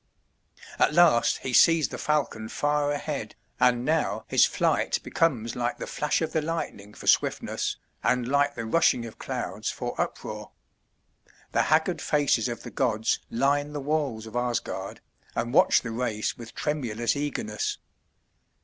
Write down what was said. At last he sees the falcon far ahead, and now his flight becomes like the flash of the lightning for swiftness, and like the rushing of clouds for uproar. The haggard faces of the gods line the walls of Asgard and watch the race with tremulous eagerness.